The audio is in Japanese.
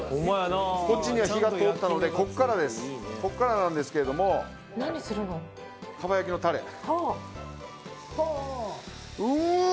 こっちには火が通ったのでこっからですこっからなんですけれどもかば焼きのタレうわ！